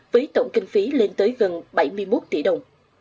với tổng kinh phí lên tới gần bảy mươi một tỷ đồng